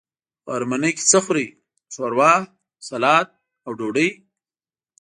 غرمنۍ کی څه خورئ؟ ښوروا، ، سلاډ او ډوډۍ